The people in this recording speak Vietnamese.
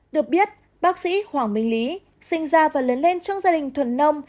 được biết bác sĩ hoàng minh lý sinh ra và lớn lên trong gia đình thuần nông